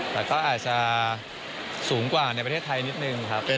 แต่ก็อาจจะสูงกว่าในประเทศไทยนิดนึงครับ